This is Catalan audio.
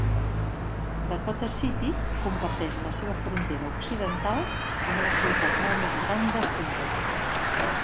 Dakota City comparteix la seva frontera occidental amb la ciutat molt més gran de Humboldt.